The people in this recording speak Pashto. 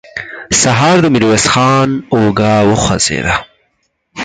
سهار د ميرويس خان اوږه وخوځېده.